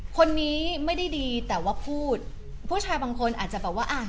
คนนี้ไม่ได้ดีแต่ว่าพูดผู้ชายบางคนอาจจะแบบว่าอ่ะ